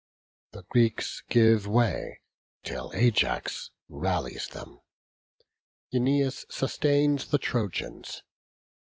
The Greeks give way, till Ajax rallies them: Æneas sustains the Trojans.